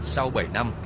sau bảy năm